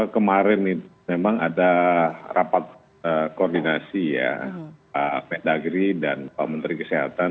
kemarin memang ada rapat koordinasi ya pak mendagri dan pak menteri kesehatan